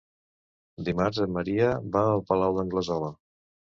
Dimarts en Maria va al Palau d'Anglesola.